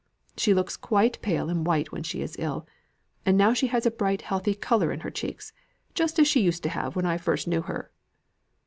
She looks quite pale and white when she is ill; and now she has a bright healthy colour in her cheeks, just as she used to have when I first knew her."